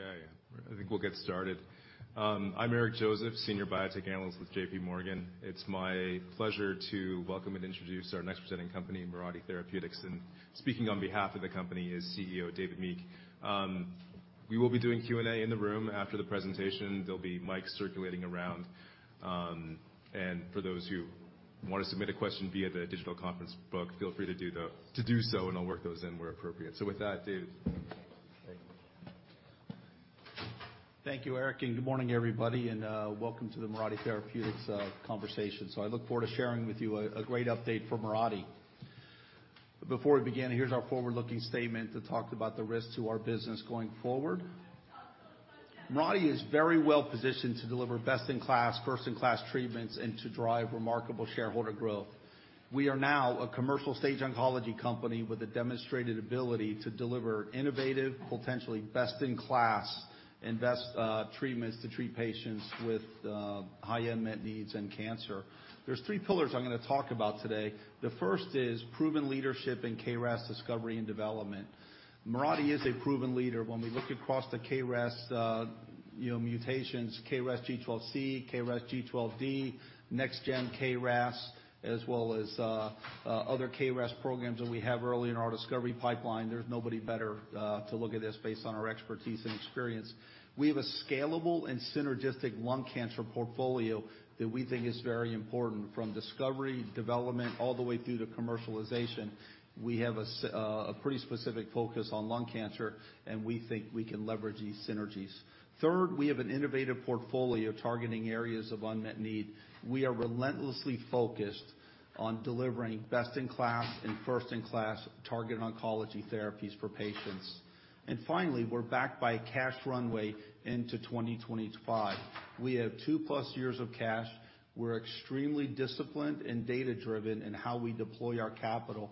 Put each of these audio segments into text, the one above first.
Okay, I think we'll get started. I'm Eric Joseph, Senior Biotech Analyst with J.P. Morgan. It's my pleasure to welcome and introduce our next presenting company, Mirati Therapeutics. Speaking on behalf of the company is CEO, David Meek. We will be doing Q&A in the room after the presentation. There'll be mics circulating around. For those who want to submit a question via the digital conference book, feel free to do so, and I'll work those in where appropriate. With that, David. Thank you, Eric, good morning, everybody, welcome to the Mirati Therapeutics conversation. I look forward to sharing with you a great update for Mirati. Before we begin, here's our forward-looking statement to talk about the risk to our business going forward. Mirati is very well-positioned to deliver best-in-class, first-in-class treatments and to drive remarkable shareholder growth. We are now a commercial-stage oncology company with a demonstrated ability to deliver innovative, potentially best-in-class and best treatments to treat patients with high unmet needs in cancer. There's three pillars I'm going to talk about today. The first is proven leadership in KRAS discovery and development. Mirati is a proven leader. When we look across the KRAS mutations, KRAS G12C, KRAS G12D, next gen KRAS, as well as, other KRAS programs that we have early in our discovery pipeline, there's nobody better, to look at this based on our expertise and experience. We have a scalable and synergistic lung cancer portfolio that we think is very important from discovery, development, all the way through to commercialization. We have a pretty specific focus on lung cancer, and we think we can leverage these synergies. Third, we have an innovative portfolio targeting areas of unmet need. We are relentlessly focused on delivering best-in-class and first-in-class targeted oncology therapies for patients. Finally, we're backed by a cash runway into 2025. We have 2+ years of cash. We're extremely disciplined and data-driven in how we deploy our capital,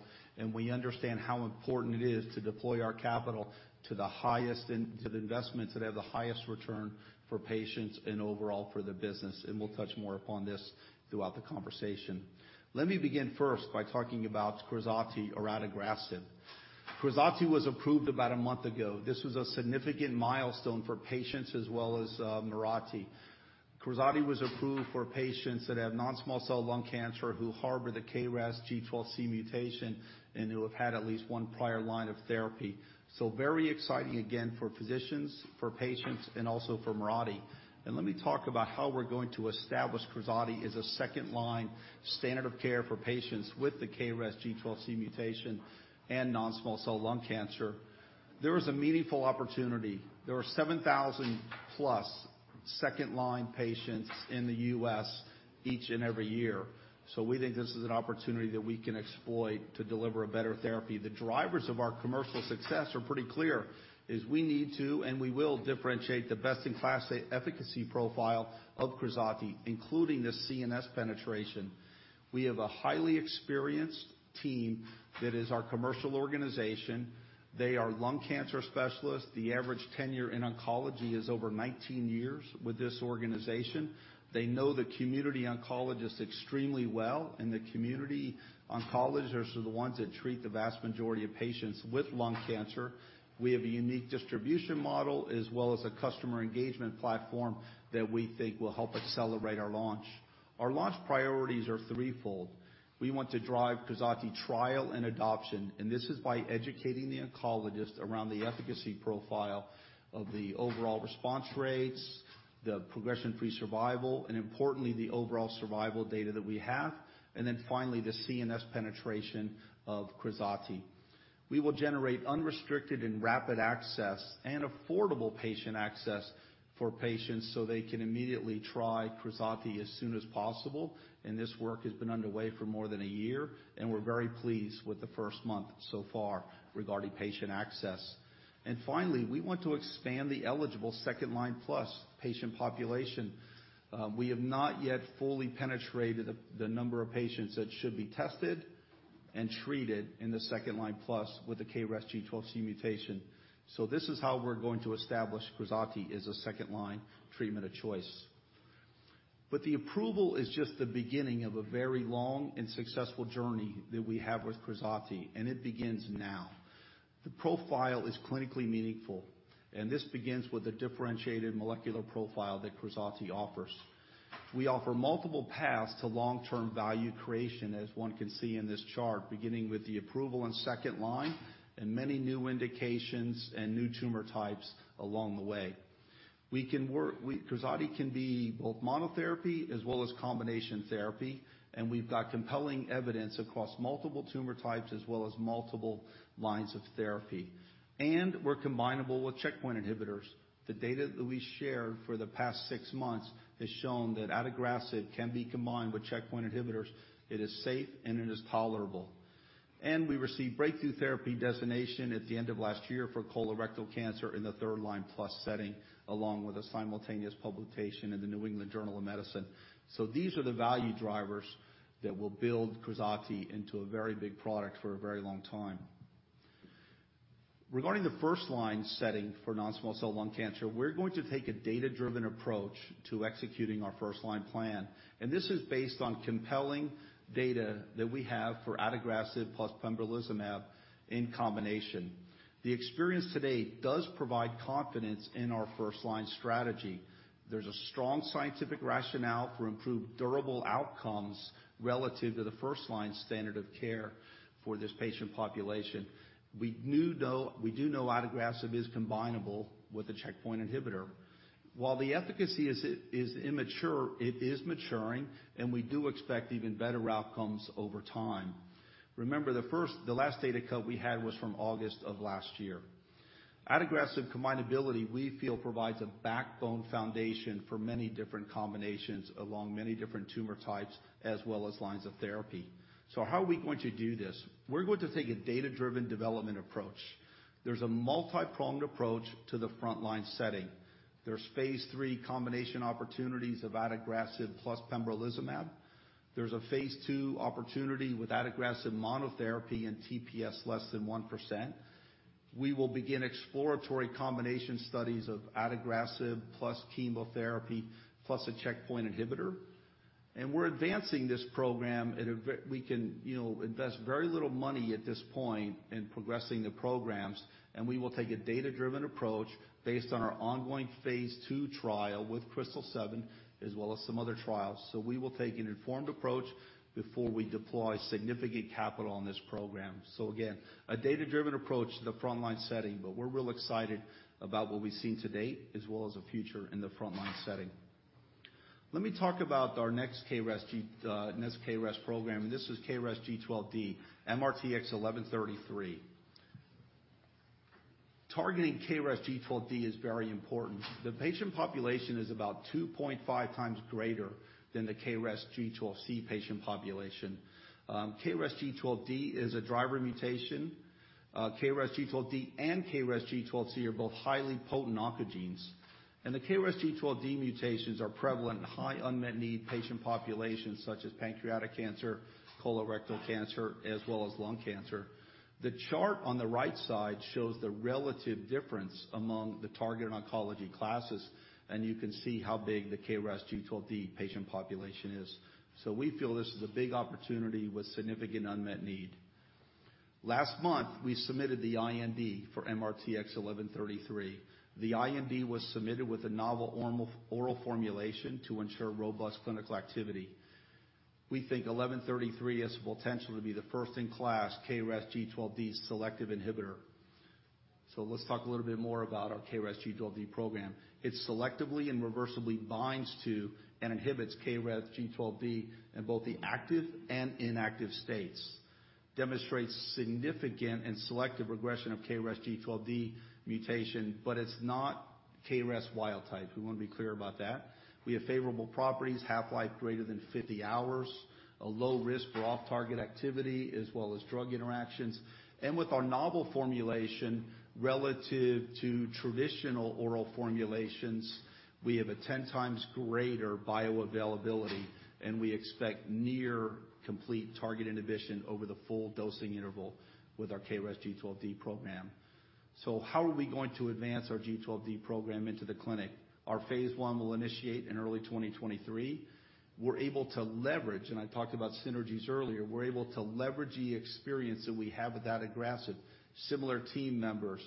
we understand how important it is to deploy our capital to the highest and to the investments that have the highest return for patients and overall for the business. We'll touch more upon this throughout the conversation. Let me begin first by talking about KRAZATI or adagrasib. KRAZATI was approved about a month ago. This was a significant milestone for patients as well as Mirati. KRAZATI was approved for patients that have non-small cell lung cancer who harbor the KRAS G12C mutation and who have had at least one prior line of therapy. Very exciting again for physicians, for patients, and also for Mirati. Let me talk about how we're going to establish KRAZATI as a second-line standard of care for patients with the KRAS G12C mutation and non-small cell lung cancer. There is a meaningful opportunity. There are 7,000+ second-line patients in the U.S. each and every year, so we think this is an opportunity that we can exploit to deliver a better therapy. The drivers of our commercial success are pretty clear, is we need to, and we will differentiate the best-in-class efficacy profile of KRAZATI, including the CNS penetration. We have a highly experienced team that is our commercial organization. They are lung cancer specialists. The average tenure in oncology is over 19 years with this organization. They know the community oncologists extremely well, and the community oncologists are the ones that treat the vast majority of patients with lung cancer. We have a unique distribution model as well as a customer engagement platform that we think will help accelerate our launch. Our launch priorities are threefold. We want to drive KRAZATI trial and adoption. This is by educating the oncologist around the efficacy profile of the overall response rates, the progression-free survival, and importantly, the overall survival data that we have. Then finally, the CNS penetration of KRAZATI. We will generate unrestricted and rapid access and affordable patient access for patients so they can immediately try KRAZATI as soon as possible. This work has been underway for more than a year, and we're very pleased with the first month so far regarding patient access. Finally, we want to expand the eligible second-line plus patient population. We have not yet fully penetrated the number of patients that should be tested and treated in the second-line plus with the KRAS G12C mutation. This is how we're going to establish KRAZATI as a second-line treatment of choice. The approval is just the beginning of a very long and successful journey that we have with KRAZATI, and it begins now. The profile is clinically meaningful, and this begins with the differentiated molecular profile that KRAZATI offers. We offer multiple paths to long-term value creation, as one can see in this chart, beginning with the approval in second line and many new indications and new tumor types along the way. KRAZATI can be both monotherapy as well as combination therapy, and we've got compelling evidence across multiple tumor types as well as multiple lines of therapy. We're combinable with checkpoint inhibitors. The data that we shared for the past six months has shown that adagrasib can be combined with checkpoint inhibitors. It is safe, and it is tolerable. We received breakthrough therapy designation at the end of last year for colorectal cancer in the 3rd line plus setting, along with a simultaneous publication in the New England Journal of Medicine. These are the value drivers that will build KRAZATI into a very big product for a very long time. Regarding the 1st-line setting for non-small cell lung cancer, we're going to take a data-driven approach to executing our 1st-line plan, and this is based on compelling data that we have for adagrasib plus pembrolizumab in combination. The experience today does provide confidence in our 1st-line strategy. There's a strong scientific rationale for improved durable outcomes relative to the 1st-line standard of care for this patient population. We do know adagrasib is combinable with a checkpoint inhibitor. While the efficacy is immature, it is maturing, and we do expect even better outcomes over time. Remember, the last data cut we had was from August of last year. Adagrasib combinability, we feel, provides a backbone foundation for many different combinations along many different tumor types as well as lines of therapy. How are we going to do this? We're going to take a data-driven development approach. There's a multi-pronged approach to the front-line setting. There's PhaseIII combination opportunities of adagrasib plus pembrolizumab. There's a PhaseII opportunity with adagrasib monotherapy and TPS less than 1%. We will begin exploratory combination studies of adagrasib plus chemotherapy plus a checkpoint inhibitor, and we're advancing this program we can invest very little money at this point in progressing the programs, and we will take a data-driven approach based on our ongoing PhaseII trial with KRYSTAL-7 as well as some other trials. We will take an informed approach before we deploy significant capital on this program. Again, a data-driven approach to the front-line setting, but we're real excited about what we've seen to date as well as the future in the front-line setting. Let me talk about our next KRAS program, and this is KRAS G12D, MRTX1133. Targeting KRAS G12D is very important. The patient population is about 2.5 times greater than the KRAS G12C patient population. KRAS G12D is a driver mutation. KRAS G12D and KRAS G12C are both highly potent oncogenes, and the KRAS G12D mutations are prevalent in high unmet need patient populations such as pancreatic cancer, colorectal cancer, as well as lung cancer. The chart on the right side shows the relative difference among the targeted oncology classes, you can see how big the KRAS G12D patient population is. We feel this is a big opportunity with significant unmet need. Last month, we submitted the IND for MRTX1133. The IND was submitted with a novel oral formulation to ensure robust clinical activity. We think 1133 has the potential to be the first-in-class KRAS G12D selective inhibitor. Let's talk a little bit more about our KRAS G12D program. It selectively and reversibly binds to and inhibits KRAS G12D in both the active and inactive states, demonstrates significant and selective regression of KRAS G12D mutation, but it's not KRAS wild type. We want to be clear about that. We have favorable properties, half-life greater than 50 hours, a low risk for off-target activity as well as drug interactions. With our novel formulation relative to traditional oral formulations, we have a 10 times greater bioavailability, and we expect near complete target inhibition over the full dosing interval with our KRAS G12D program. How are we going to advance our G12D program into the clinic? Our PhaseI will initiate in early 2023. We're able to leverage, and I talked about synergies earlier, we're able to leverage the experience that we have with adagrasib, similar team members,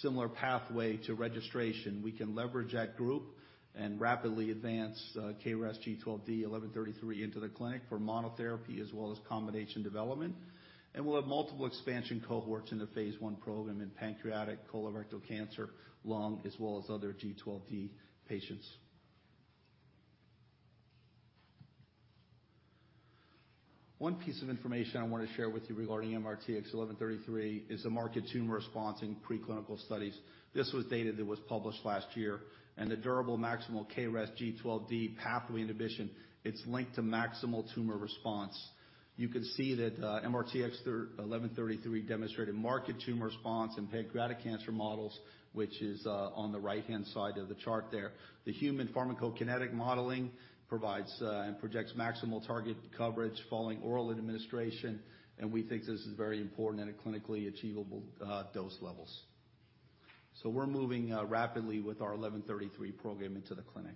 similar pathway to registration. We can leverage that group and rapidly advance KRAS G12D 1133 into the clinic for monotherapy as well as combination development. We'll have multiple expansion cohorts in the Phase I program in pancreatic, colorectal cancer, lung as well as other G12D patients. One piece of information I want to share with you regarding MRTX1133 is the marked tumor response in preclinical studies. This was data that was published last year. The durable maximal KRAS G12D pathway inhibition, it's linked to maximal tumor response. You can see that MRTX1133 demonstrated marked tumor response in pancreatic cancer models, which is on the right-hand side of the chart there. The human pharmacokinetic modeling provides and projects maximal target coverage following oral administration, and we think this is very important at a clinically achievable dose levels. We're moving rapidly with our 1133 program into the clinic.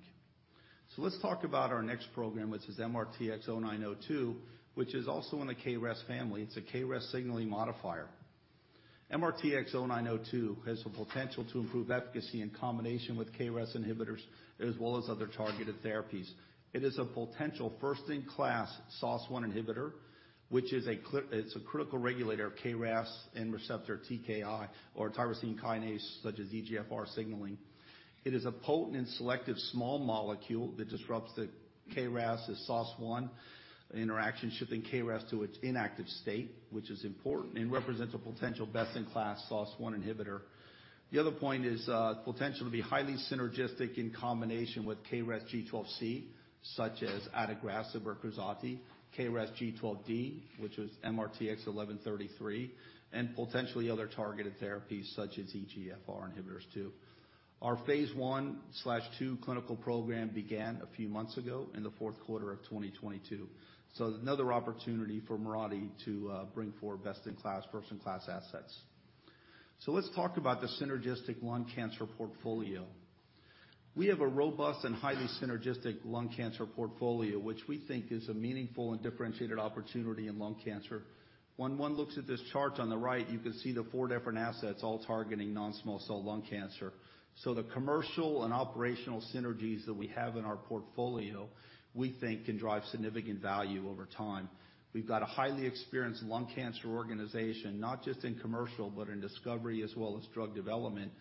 Let's talk about our next program, which is MRTX0902, which is also in the K-RAS family. It's a KRAS signaling modifier. MRTX0902 has the potential to improve efficacy in combination with KRAS inhibitors as well as other targeted therapies. It is a potential first-in-class SOS1 inhibitor, which is it's a critical regulator of KRAS and receptor TKI or tyrosine kinase such as EGFR signaling. It is a potent and selective small molecule that disrupts the KRAS and SOS1 interaction, shifting KRAS to its inactive state, which is important and represents a potential best-in-class SOS1 inhibitor. The other point is the potential to be highly synergistic in combination with KRAS G12C, such as adagrasib or KRAZATI, KRAS G12D, which is MRTX1133, and potentially other targeted therapies such as EGFR inhibitors too. Our PhaseI/II clinical program began a few months ago in the Q4 of 2022. Another opportunity for Mirati to bring forward best-in-class, first-in-class assets. Let's talk about the synergistic lung cancer portfolio. We have a robust and highly synergistic lung cancer portfolio, which we think is a meaningful and differentiated opportunity in lung cancer. When one looks at this chart on the right, you can see the four different assets all targeting non-small cell lung cancer. The commercial and operational synergies that we have in our portfolio, we think can drive significant value over time. We've got a highly experienced lung cancer organization, not just in commercial, but in discovery as well as drug development.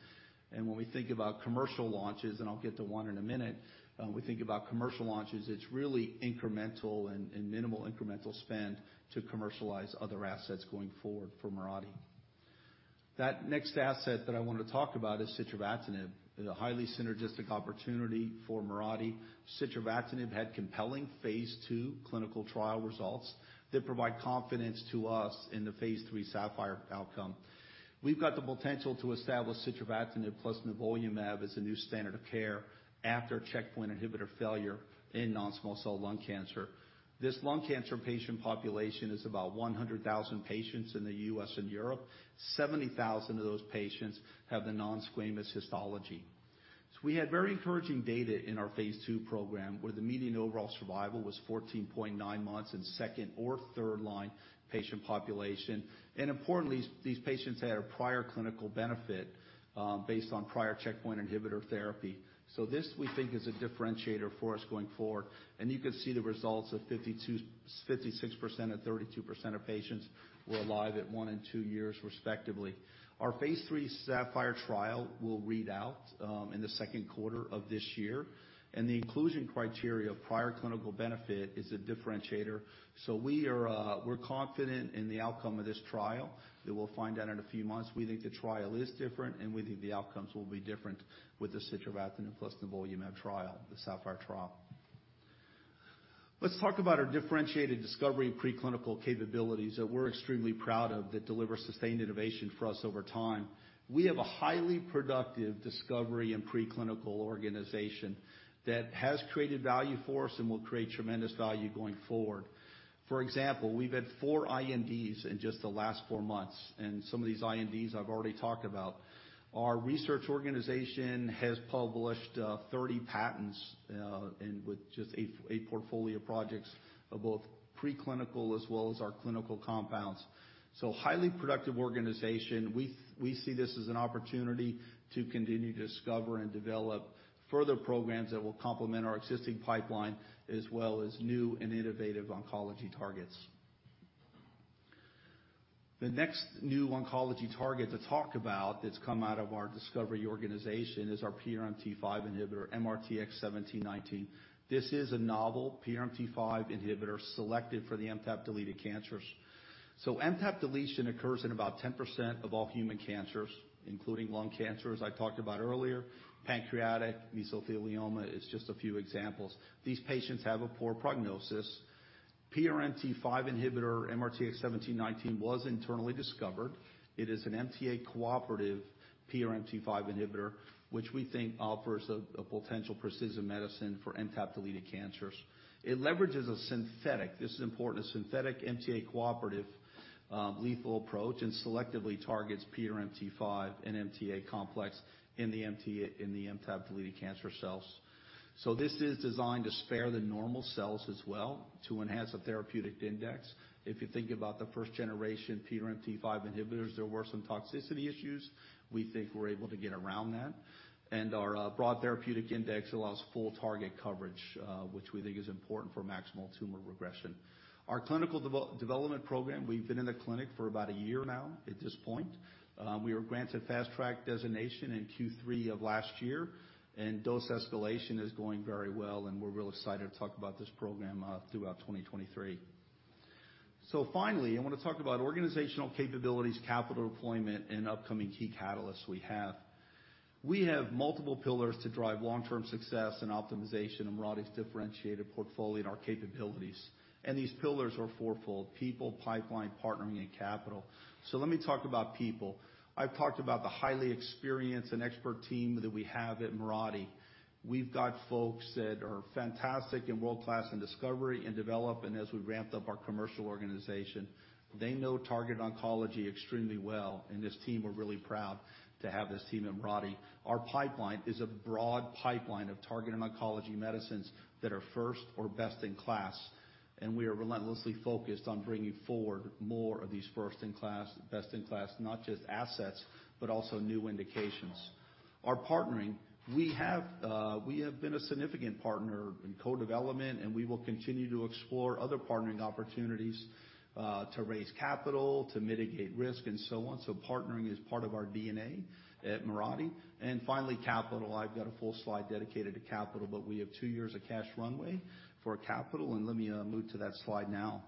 When we think about commercial launches, and I'll get to one in a minute, when we think about commercial launches, it's really incremental and minimal incremental spend to commercialize other assets going forward for Mirati. That next asset that I want to talk about is sitravatinib, is a highly synergistic opportunity for Mirati. Sitravatinib had compelling PhaseII clinical trial results that provide confidence to us in the PhaseIII SAPPHIRE outcome. We've got the potential to establish sitravatinib plus nivolumab as a new standard of care after checkpoint inhibitor failure in non-small cell lung cancer. This lung cancer patient population is about 100,000 patients in the U.S. and Europe. 70,000 of those patients have the non-squamous histology. We had very encouraging data in our PhaseII program where the median overall survival was 14.9 months in second or third line patient population. Importantly, these patients had a prior clinical benefit based on prior checkpoint inhibitor therapy. This, we think, is a differentiator for us going forward. You can see the results of 56% and 32% of patients were alive at one and two years respectively. Our Phase III SAPPHIRE trial will read out in the Q2 of this year. The inclusion criteria of prior clinical benefit is a differentiator. We're confident in the outcome of this trial that we'll find out in a few months. We think the trial is different. We think the outcomes will be different with the sitravatinib plus nivolumab trial, the SAPPHIRE trial. Let's talk about our differentiated discovery and preclinical capabilities that we're extremely proud of that deliver sustained innovation for us over time. We have a highly productive discovery and preclinical organization that has created value for us and will create tremendous value going forward. For example, we've had four INDs in just the last four months. Some of these INDs I've already talked about. Our research organization has published 30 patents, with just a portfolio of projects of both preclinical as well as our clinical compounds. Highly productive organization. We see this as an opportunity to continue to discover and develop further programs that will complement our existing pipeline as well as new and innovative oncology targets. The next new oncology target to talk about that's come out of our discovery organization is our PRMT5 inhibitor, MRTX1719. This is a novel PRMT5 inhibitor selected for the MTAP-deleted cancers. MTAP deletion occurs in about 10% of all human cancers, including lung cancer, as I talked about earlier. Pancreatic mesothelioma is just a few examples. These patients have a poor prognosis. PRMT5 inhibitor MRTX1719 was internally discovered. It is an MTA-cooperative PRMT5 inhibitor, which we think offers a potential precision medicine for MTAP-deleted cancers. It leverages a synthetic, this is important, a synthetic MTA-cooperative, lethal approach and selectively targets PRMT5 and MTA complex in the MTAP-deleted cancer cells. This is designed to spare the normal cells as well to enhance the therapeutic index. If you think about the first generation PRMT5 inhibitors, there were some toxicity issues. We think we're able to get around that. Our broad therapeutic index allows full target coverage, which we think is important for maximal tumor regression. Our clinical development program, we've been in the clinic for about a year now at this point. We were granted fast track designation in Q3 of last year, and dose escalation is going very well, and we're real excited to talk about this program throughout 2023. Finally, I want to talk about organizational capabilities, capital deployment, and upcoming key catalysts we have. We have multiple pillars to drive long-term success and optimization in Mirati's differentiated portfolio and our capabilities. These pillars are four-fold: people, pipeline, partnering, and capital. Let me talk about people. I've talked about the highly experienced and expert team that we have at Mirati. We've got folks that are fantastic and world-class in discovery and development as we ramp up our commercial organization. They know targeted oncology extremely well, and this team, we're really proud to have this team at Mirati. Our pipeline is a broad pipeline of targeted oncology medicines that are first or best in class, and we are relentlessly focused on bringing forward more of these first in class, best in class, not just assets, but also new indications. Our partnering, we have been a significant partner in co-development, we will continue to explore other partnering opportunities to raise capital, to mitigate risk, and so on. Partnering is part of our DNA at Mirati. Finally, capital. I've got a full slide dedicated to capital, but we have two years of cash runway for capital, and let me move to that slide now.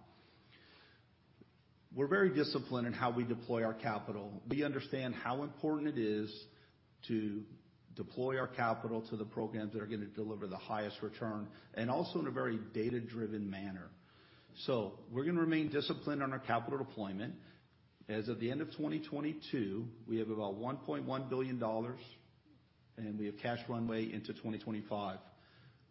We're very disciplined in how we deploy our capital. We understand how important it is to deploy our capital to the programs that are going to deliver the highest return and also in a very data-driven manner. We're going to remain disciplined on our capital deployment. As of the end of 2022, we have about $1.1 billion, and we have cash runway into 2025.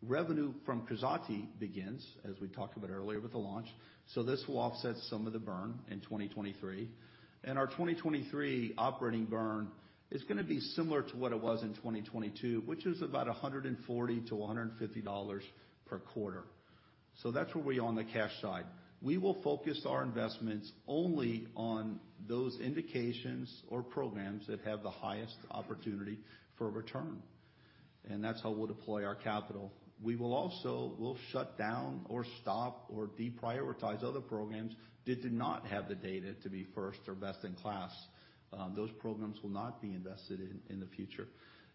Revenue from KRAZATI begins, as we talked about earlier with the launch, this will offset some of the burn in 2023. Our 2023 operating burn is going to be similar to what it was in 2022, which is about $140 to 150 per quarter. That's where we are on the cash side. We will focus our investments only on those indications or programs that have the highest opportunity for return, and that's how we'll deploy our capital. We will also we'll shut down or stop or deprioritize other programs that do not have the data to be first or best in class. Those programs will not be invested in the future.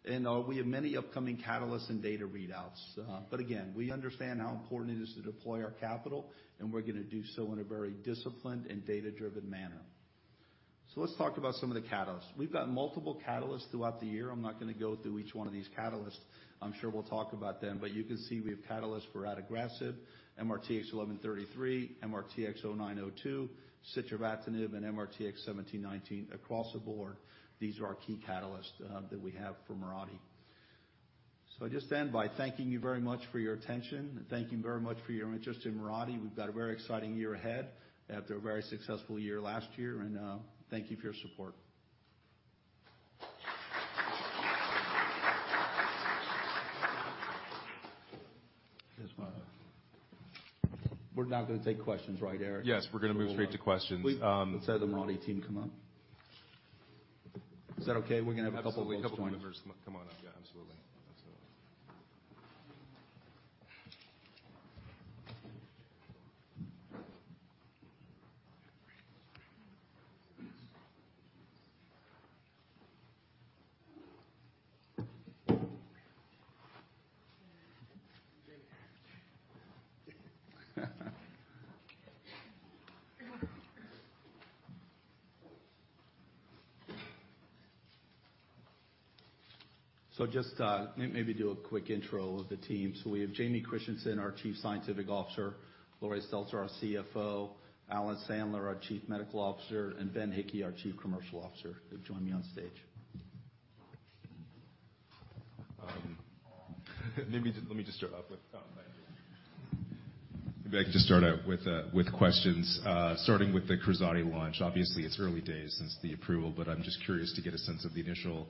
We have many upcoming catalysts and data readouts. Again, we understand how important it is to deploy our capital, and we're going to do so in a very disciplined and data-driven manner. Let's talk about some of the catalysts. We've got multiple catalysts throughout the year. I'm not going to go through each one of these catalysts. I'm sure we'll talk about them. You can see we have catalysts for adagrasib, MRTX1133, MRTX0902, Sitravatinib, and MRTX1719 across the board. These are our key catalysts that we have for Mirati. I just end by thanking you very much for your attention and thanking you very much for your interest in Mirati. We've got a very exciting year ahead after a very successful year last year, thank you for your support. We're now going to take questions, right, Eric? Yes, we're going to move straight to questions. Let's have the Mirati team come up. Is that okay? We're going to have a couple folks join. Absolutely. A couple members come on up. Yeah, absolutely. Just do a quick intro of the team. We have James Christensen, our Chief Scientific Officer, Laurie Stelzer, our CFO, Alan Sandler, our Chief Medical Officer, and Ben Hickey, our Chief Commercial Officer. They've joined me on stage. Maybe let me just start off with... Oh, thank you. If I could just start out with questions. Starting with the KRAZATI launch. Obviously, it's early days since the approval, but I'm just curious to get a sense of the initial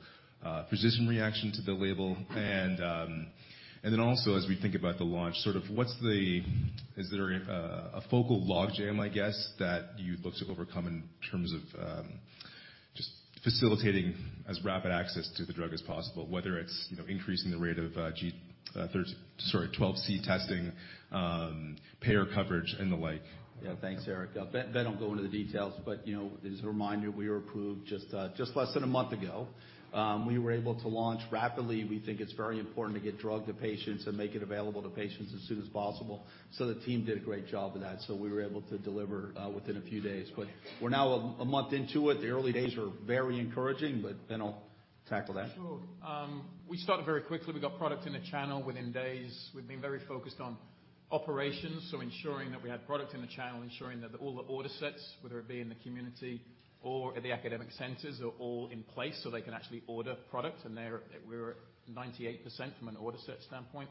physician reaction to the label. Then also, as we think about the launch, sort of what's the... Is there a focal logjam, I guess, that you'd look to overcome in terms of just facilitating as rapid access to the drug as possible, whether it's increasing the rate of sorry, 12C testing, payer coverage, and the like? Yeah. Thanks, Eric. Ben will go into the details as a reminder, we were approved just less than a month ago. We were able to launch rapidly. We think it's very important to get drug to patients and make it available to patients as soon as possible. The team did a great job of that, we were able to deliver within a few days. We're now a month into it. The early days are very encouraging, Ben will tackle that. Sure. We started very quickly. We got product in the channel within days. We've been very focused on operations, so ensuring that we had product in the channel, ensuring that all the order sets, whether it be in the community or at the academic centers, are all in place so they can actually order product. We're at 98% from an order set standpoint.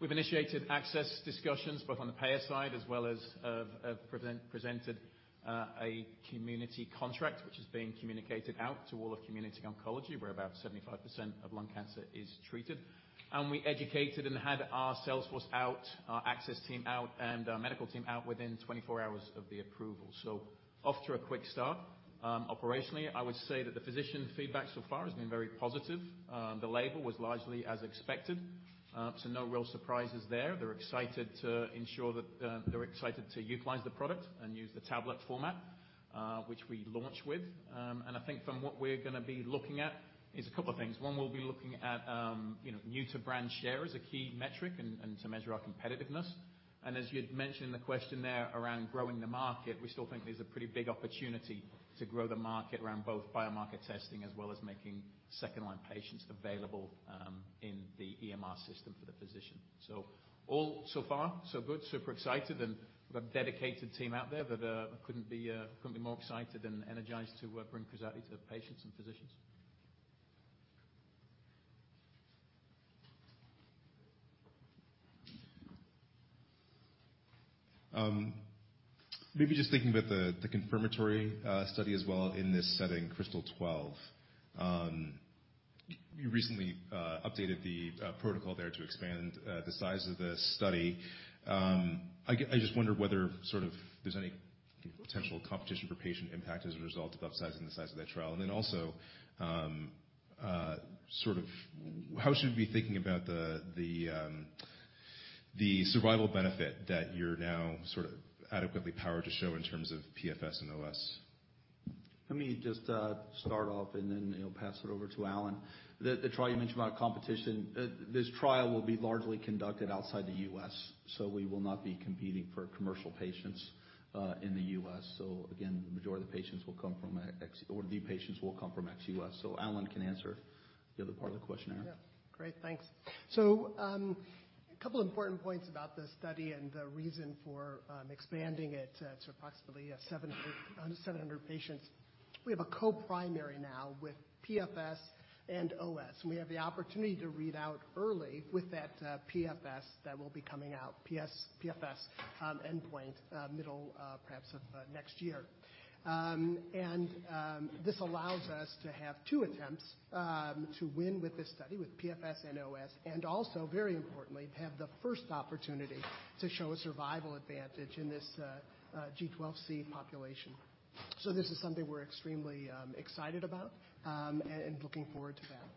We've initiated access discussions both on the payer side as well as presented a community contract, which is being communicated out to all of community oncology, where about 75% of lung cancer is treated. We educated and had our salesforce out, our access team out, and our medical team out within 24 hours of the approval. Off to a quick start. Operationally, I would say that the physician feedback so far has been very positive. The label was largely as expected, no real surprises there. They're excited to ensure that they utilize the product and use the tablet format, which we launched with. I think from what we're going to be looking at is a couple of things. One, we'll be looking at new-to-brand share as a key metric and to measure our competitiveness. As you'd mentioned in the question there around growing the market, we still think there's a pretty big opportunity to grow the market around both biomarker testing as well as making second-line patients available in the EMR system for the physician. All so far so good. Super excited. We've a dedicated team out there that couldn't be more excited and energized to bring KRAZATI to patients and physicians. Maybe just thinking about the confirmatory study as well in this setting, KRYSTAL-12. You recently updated the protocol there to expand the size of the study. I just wonder whether sort of there's any potential competition for patient impact as a result of upsizing the size of that trial? Also, sort of how should we be thinking about the survival benefit that you're now sort of adequately powered to show in terms of PFS and OS? Let me just start off and then pass it over to Alan. The trial you mentioned about competition, this trial will be largely conducted outside the U.S. We will not be competing for commercial patients in the U.S. Again, the majority of the patients will come from ex-U.S. Alan can answer the other part of the question, Eric. Yeah. Great. Thanks. A couple important points about the study and the reason for expanding it to approximately 700 patients. We have a co-primary now with PFS and OS. We have the opportunity to read out early with that PFS that will be coming out. PS-PFS endpoint middle perhaps of next year. This allows us to have two attempts to win with this study with PFS and OS, and also very importantly, have the first opportunity to show a survival advantage in this G12C population. This is something we're extremely excited about and looking forward to that.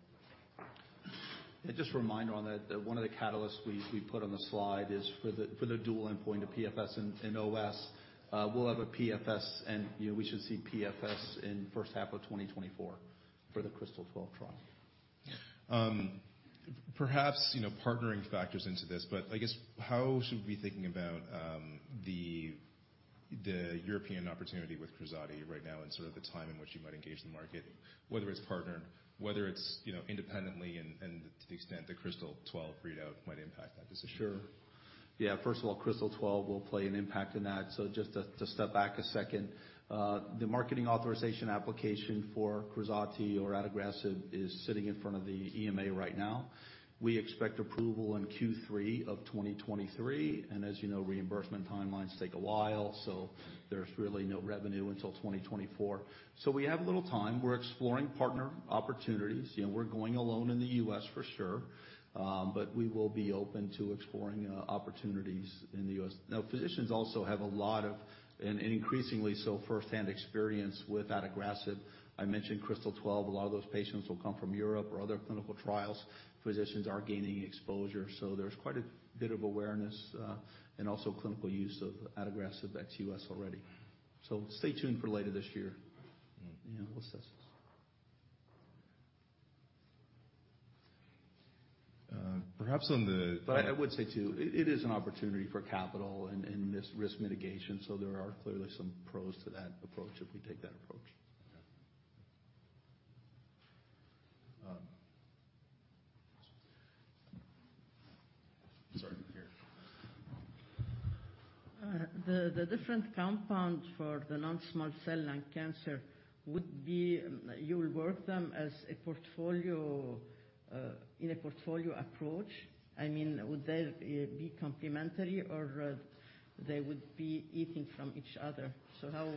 Just a reminder on that one of the catalysts we put on the slide is for the dual endpoint of PFS and OS, we'll have a PFS and we should see PFS in first half of 2024 for the KRYSTAL-12 trial. perhaps partnering factors into this, I guess how should we be thinking about the European opportunity with KRAZATI right now and sort of the timing in which you might engage the market, whether it's partnered, whether it's independently and to the extent the KRYSTAL-12 readout might impact that decision? Sure. Yeah. First of all, KRYSTAL-12 will play an impact in that. Just to step back a second. The marketing authorization application for KRAZATI or adagrasib is sitting in front of the EMA right now. We expect approval in Q3 of 2023. As reimbursement timelines take a while, there's really no revenue until 2024. We have a little time. We're exploring partner opportunities. We're going alone in the U.S. for sure. We will be open to exploring opportunities in the U.S. Physicians also have a lot of, and increasingly so, firsthand experience with adagrasib. I mentioned KRYSTAL-12. A lot of those patients will come from Europe or other clinical trials. Physicians are gaining exposure, so there's quite a bit of awareness, and also clinical use of adagrasib ex-U.S. already. Stay tuned for later this year. Mm-hmm. We'll assess this. Perhaps. I would say too, it is an opportunity for capital and risk mitigation, so there are clearly some pros to that approach if we take that approach. Okay. sorry. Here. The different compound for the non-small cell lung cancer would be you'll work them as a portfolio, in a portfolio approach. I mean, would they be complementary or they would be eating from each other? How would?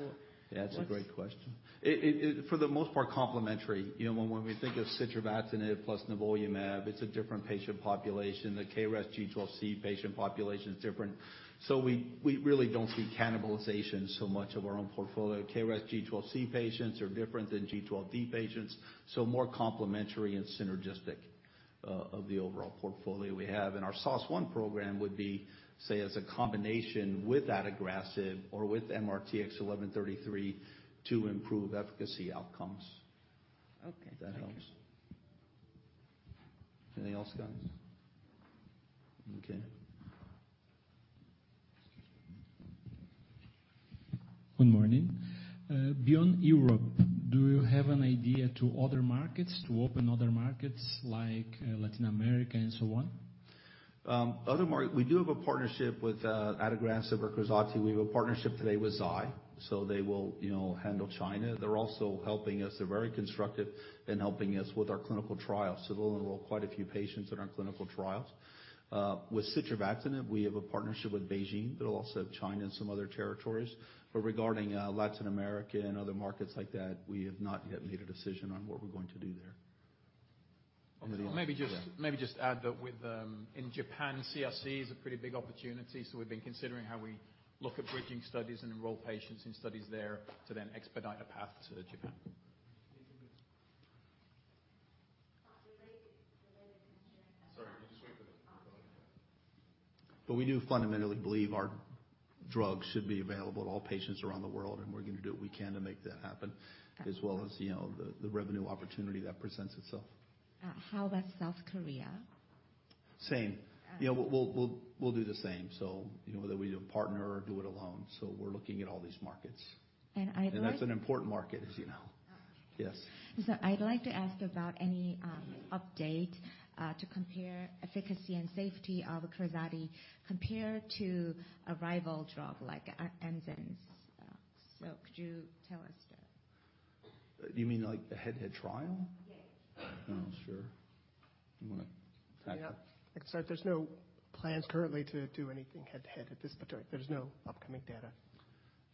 That's a great question. It, for the most part, complementary. when we think of Sitravatinib plus nivolumab, it's a different patient population. The KRAS G12C patient population is different. We really don't see cannibalization so much of our own portfolio. KRAS G12C patients are different than G12D patients, so more complementary and synergistic of the overall portfolio we have. Our SOS1 program would be, say, as a combination with adagrasib or with MRTX1133 to improve efficacy outcomes. Okay. If that helps. Anything else, guys? Okay. Good morning. Beyond Europe, do you have an idea to other markets, to open other markets like Latin America and so on? Other market, we do have a partnership with adagrasib or KRAZATI. We have a partnership today with Zai, they will handle China. They're also helping us. They're very constructive in helping us with our clinical trials. They'll enroll quite a few patients in our clinical trials. With Sitravatinib, we have a partnership with BeiGene, also China and some other territories. Regarding Latin America and other markets like that, we have not yet made a decision on what we're going to do there. Anybody else? Maybe just add that with the in Japan, CRC is a pretty big opportunity. We've been considering how we look at bridging studies and enroll patients in studies there to then expedite a path to Japan. We do fundamentally believe our drug should be available to all patients around the world, and we're going to do what we can to make that happen, as well as the revenue opportunity that presents itself. How about South Korea? Same. Uh- We'll do the same. whether we do a partner or do it alone. We're looking at all these markets. And I'd like- That's an important market, as you know. Uh. Yes. I'd like to ask about any update to compare efficacy and safety of KRAZATI compared to a rival drug like Amgen. Could you tell us that? You mean like a head-to-head trial? Yes. Sure. You want to tackle that? Yeah. Like I said, there's no plans currently to do anything head to head at this point. There's no upcoming data.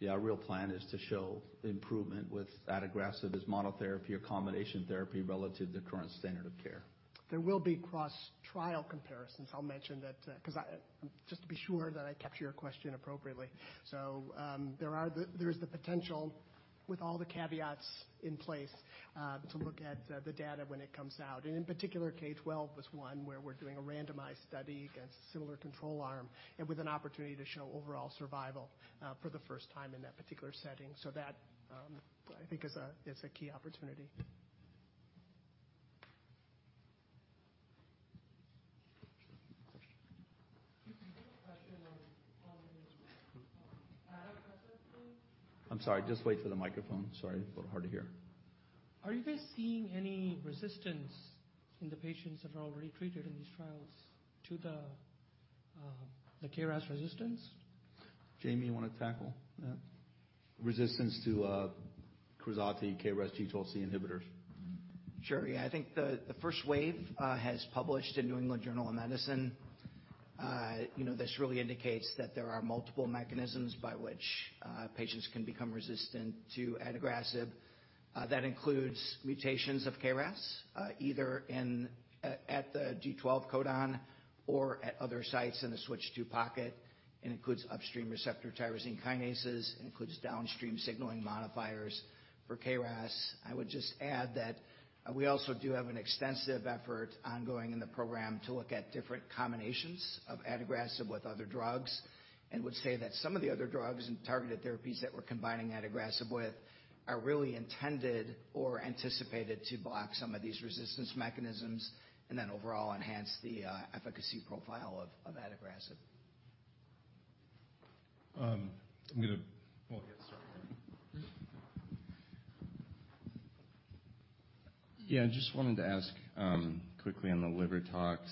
Yeah. Our real plan is to show improvement with adagrasib as monotherapy or combination therapy relative to current standard of care. There will be cross-trial comparisons. I'll mention that, 'cause I just to be sure that I capture your question appropriately. There's the potential with all the caveats in place, to look at the data when it comes out. In particular, K-12 was one where we're doing a randomized study against a similar control arm and with an opportunity to show overall survival for the first time in that particular setting. That, I think is a key opportunity. I'm sorry, just wait for the microphone. Sorry, a little hard to hear. Are you guys seeing any resistance in the patients that are already treated in these trials to the KRAS resistance? Jamie, you want to tackle that? Resistance to, KRAZATI, KRAS G12C inhibitors. Sure, yeah. I think the first wave, has published in The New England Journal of Medicine. This really indicates that there are multiple mechanisms by which patients can become resistant to adagrasib. That includes mutations of KRAS, either in, at the G12 codon or at other sites in the switch-II pocket, and includes upstream receptor tyrosine kinases, and includes downstream signaling modifiers for KRAS. I would just add that, we also do have an extensive effort ongoing in the program to look at different combinations of adagrasib with other drugs, and would say that some of the other drugs and targeted therapies that we're combining adagrasib with are really intended or anticipated to block some of these resistance mechanisms, and then overall enhance the efficacy profile of adagrasib. Well, yes. Just wanted to ask, quickly on the liver tox.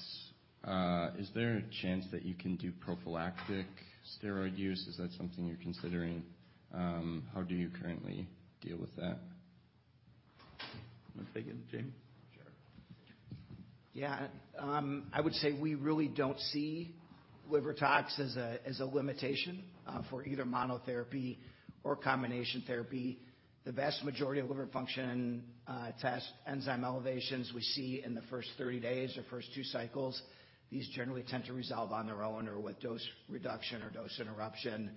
Is there a chance that you can do prophylactic steroid use? Is that something you're considering? How do you currently deal with that? want to take it, Jamie? Sure. Yeah, I would say we really don't see liver tox as a limitation for either monotherapy or combination therapy. The vast majority of liver function test enzyme elevations we see in the first 30 days or first 2 cycles. These generally tend to resolve on their own or with dose reduction or dose interruption.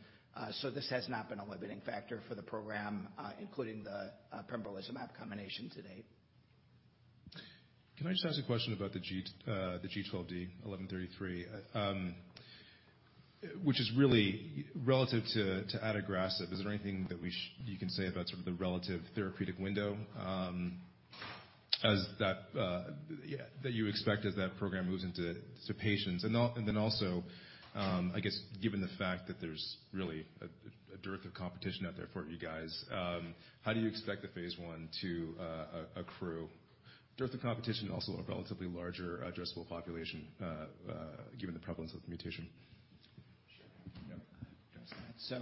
This has not been a limiting factor for the program, including the pembrolizumab combination to date. Can I just ask a question about the G, the G12D-MRTX1133, which is really relative to adagrasib? Is there anything that you can say about sort of the relative therapeutic window as that, yeah, that you expect as that program moves into patients? Then also, I guess given the fact that there's really a dearth of competition out there for you guys, how do you expect the PhaseI to accrue? There's the competition also a relatively larger addressable population given the prevalence of the mutation. Sure.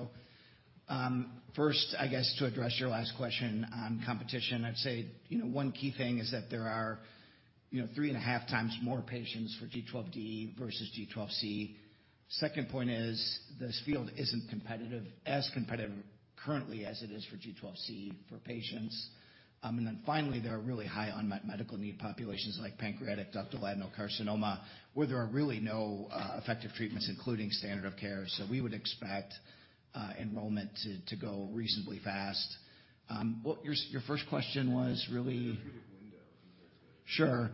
Yep. First, I guess to address your last question on competition, I'd say one key thing is that there are 3.5 times more patients for KRAS G12D versus KRAS G12C. Second point is this field isn't competitive, as competitive currently as it is for KRAS G12C for patients. Finally, there are really high unmet medical need populations like pancreatic ductal adenocarcinoma, where there are really no effective treatments, including standard of care. We would expect enrollment to go reasonably fast. What was your first question really? Therapeutic window. Sure.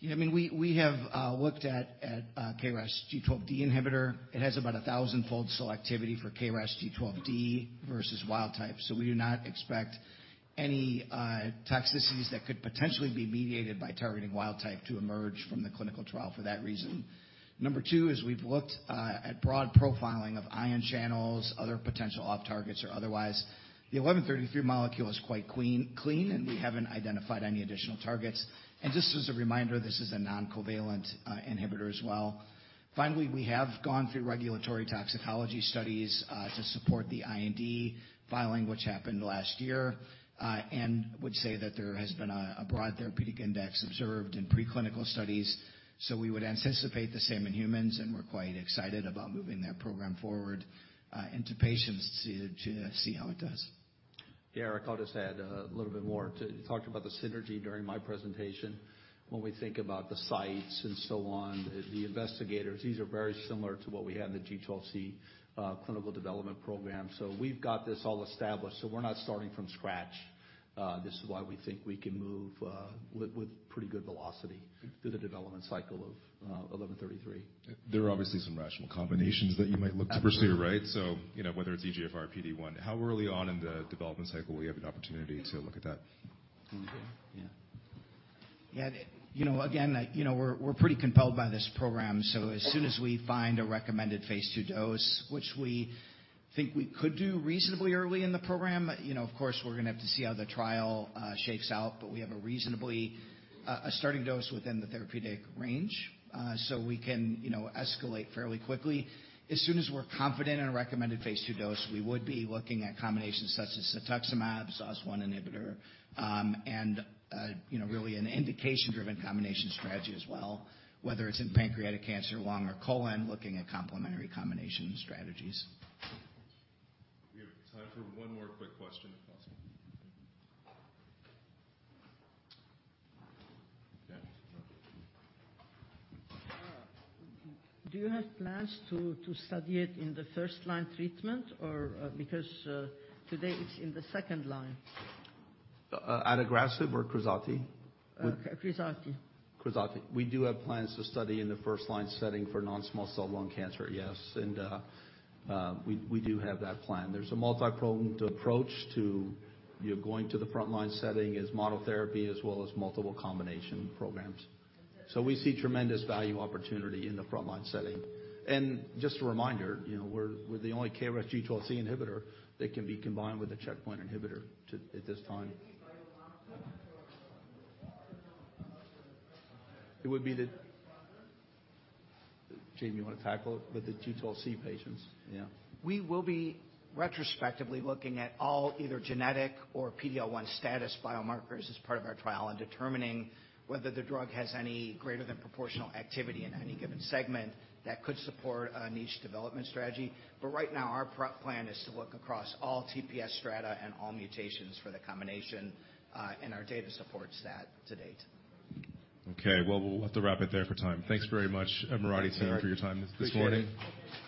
Yeah, I mean, we have looked at KRAS G12D inhibitor. It has about a 1,000-fold selectivity for KRAS G12D versus wild type, so we do not expect any toxicities that could potentially be mediated by targeting wild type to emerge from the clinical trial for that reason. Number two is we've looked at broad profiling of ion channels, other potential off targets or otherwise. The 1133 molecule is quite clean, and we haven't identified any additional targets. Just as a reminder, this is a non-covalent inhibitor as well. Finally, we have gone through regulatory toxicology studies to support the IND filing, which happened last year. Would say that there has been a broad therapeutic index observed in preclinical studies. We would anticipate the same in humans, and we're quite excited about moving that program forward into patients to see how it does. Yeah, Eric, I'll just add a little bit more you talked about the synergy during my presentation. When we think about the sites and so on, the investigators, these are very similar to what we had in the G12C clinical development program. We've got this all established, so we're not starting from scratch. This is why we think we can move with pretty good velocity through the development cycle of 1133. There are obviously some rational combinations that you might look to pursue, right? Absolutely. whether it's EGFR, PD-1, how early on in the development cycle will you have an opportunity to look at that? Mm-hmm. yeah again we're pretty compelled by this program. As soon as we find a recommended phase two dose, which we think we could do reasonably early in the program of course, we're going to have to see how the trial shakes out, but we have a reasonably a starting dose within the therapeutic range. We can escalate fairly quickly. As soon as we're confident in a recommended phase two dose, we would be looking at combinations such as cetuximab, SOS1 inhibitor, and really an indication-driven combination strategy as well, whether it's in pancreatic cancer, lung or colon, looking at complementary combination strategies. We have time for one more quick question, if possible. Yeah. Do you have plans to study it in the first line treatment or, because, today it's in the second line? adagrasib or KRAZATI? KRAZATI. We do have plans to study in the first line setting for non-small cell lung cancer, yes. We do have that plan. There's a multipronged approach to going to the front line setting as monotherapy as well as multiple combination programs. We see tremendous value opportunity in the front line setting. Just a reminder we're the only KRAS G12C inhibitor that can be combined with a checkpoint inhibitor to, at this time. It would be the... Jamie, you want to tackle it with the G12C patients? Yeah. We will be retrospectively looking at all either genetic or PD-L1 status biomarkers as part of our trial and determining whether the drug has any greater than proportional activity in any given segment that could support a niche development strategy. Right now, our plan is to look across all TPS strata and all mutations for the combination, and our data supports that to date. Okay. Well, we'll have to wrap it there for time. Thanks very much, Mirati team, for your time this morning. Appreciate it.